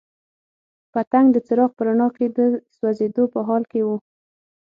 پتنګ د څراغ په رڼا کې د سوځېدو په حال کې وو.